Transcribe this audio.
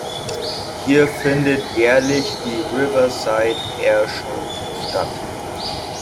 Hier findet jährlich die Riverside Air Show statt.